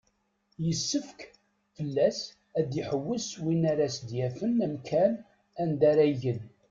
Yessefk fell-as ad iḥewwes win ara as-d-yafen amkan anda ara igen.